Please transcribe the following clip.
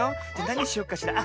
なにしようかしら。